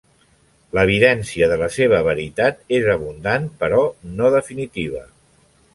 L'evidència de la seva veritat és abundant però no definitiva.